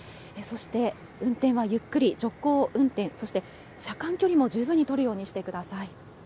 そして運転はゆっくり、徐行運転、車間距離も十分に取るようにしてください。